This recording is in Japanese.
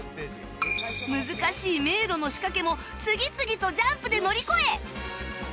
難しい迷路の仕掛けも次々とジャンプで乗り越え